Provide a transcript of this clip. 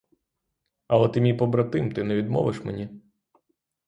Але ти мій побратим, ти не відмовиш мені!